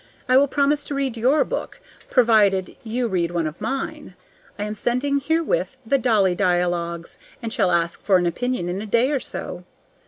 I will promise to read your book, provided you read one of mine. I am sending herewith the "Dolly Dialogues," and shall ask for an opinion in a day or so.